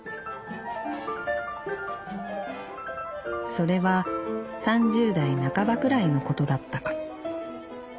「それは３０代半ばくらいのことだったか。